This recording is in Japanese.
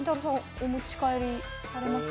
お持ち帰りされますか？